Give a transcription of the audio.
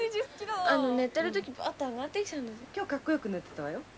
「今日カッコよく寝てたわよ」